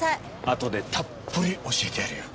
後でたっぷり教えてやるよ。